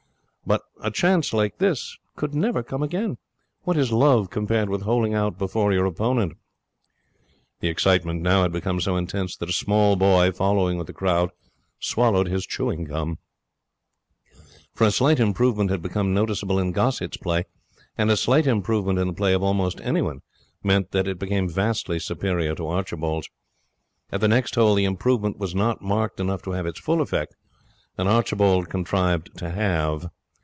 But a chance like this could never come again. What is Love compared with holing out before your opponent? The excitement now had become so intense that a small boy, following with the crowd, swallowed his chewing gum; for a slight improvement had become noticeable in Gossett's play, and a slight improvement in the play of almost anyone meant that it became vastly superior to Archibald's. At the next hole the improvement was not marked enough to have its full effect, and Archibald contrived to halve.